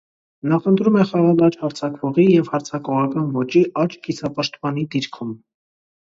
Նախընտրում է խաղալ աջ հարձակվողի և հարձակողական ոճի աջ կիսապաշտպանի դիրքում։